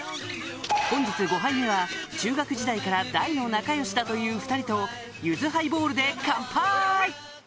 本日５杯目は中学時代から大の仲良しだという２人とゆずハイボールでカンパイ！